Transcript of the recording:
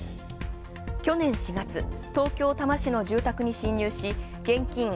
去年４月、東京・多摩市の住宅に侵入し現金